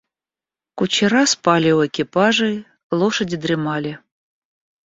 Кучера спали у экипажей, лошади дремали.